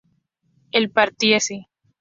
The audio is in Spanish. él partiese